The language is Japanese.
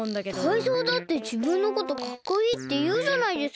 タイゾウだってじぶんのことかっこいいっていうじゃないですか。